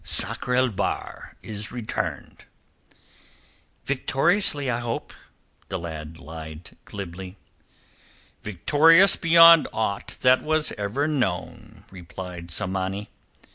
"Sakr el Bahr is returned." "Victoriously, I hope," the lad lied glibly. "Victorious beyond aught that was ever known," replied Tsamanni.